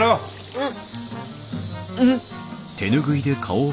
うん？